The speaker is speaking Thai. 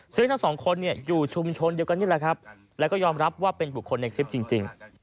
ซึ่งทั้งสองคนอยู่ชุมชนเดียวกันนี่แหละครับแล้วก็ยอมรับว่าเป็นบุคคลในคลิปจริง